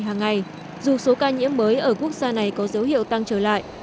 hàng ngày dù số ca nhiễm mới ở quốc gia này có dấu hiệu tăng trở lại